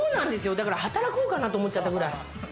だから働こうかなと思っちゃったくらい。